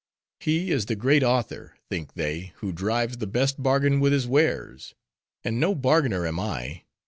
He is the great author, think they, who drives the best bargain with his wares: and no bargainer am I.